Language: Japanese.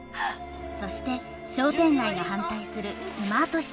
そして商店街が反対するスマートシティ計画。